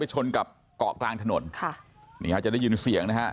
ชนกับเกาะกลางถนนค่ะนี่ฮะจะได้ยินเสียงนะฮะ